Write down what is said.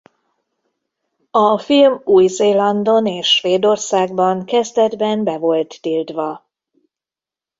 A film Új-Zélandon és Svédországban kezdetben be volt tiltva.